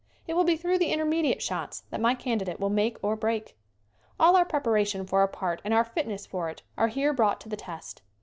It will be through the inter mediate shots that my candidate will make or break. All our preparation for a part and our fitness for it are here brought to the test.